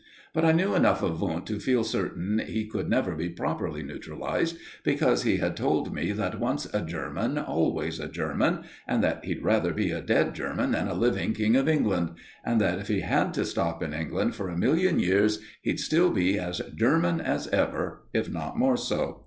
But I knew enough of Wundt to feel certain he could never be properly neutralised, because he had told me that once a German always a German, and that he'd rather be a dead German than a living King of England, and that if he had to stop in England for a million years, he'd still be as German as ever, if not more so.